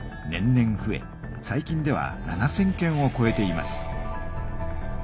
年々ふえ最近では７，０００件をこえています。